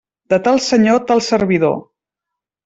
De tal senyor tal servidor.